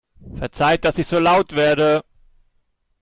Verzeiht, dass ich so laut werde!